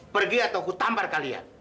pergi atau aku tampar kalian